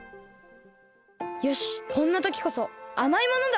よしこんなときこそあまいものだ！